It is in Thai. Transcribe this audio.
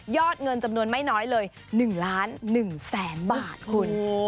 เงินจำนวนไม่น้อยเลย๑ล้าน๑แสนบาทคุณ